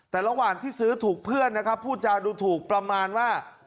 แต่ระหว่างที่ซื้อถูกเพื่อนนะครับพูดจาดูถูกประมาณว่า